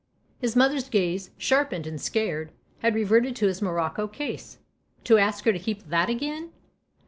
His mother's gaze, sharpened and scared, had reverted to his morocco case. " To ask her to keep that again